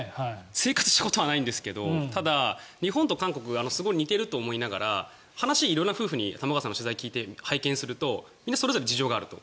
生活したことはないですが日本と韓国が似ていると思うのは話を色んな夫婦に玉川さんの取材を聞いて拝見するとそれぞれ色んな事情があると。